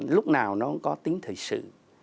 lúc nào nó cũng có tính thời sự